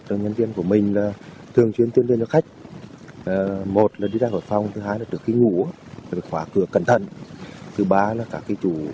hẹn gặp lại